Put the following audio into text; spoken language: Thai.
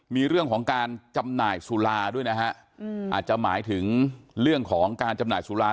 มีเรื่องของการจำหน่ายสุราด้วยนะฮะอาจจะหมายถึงเรื่องของการจำหน่ายสุรา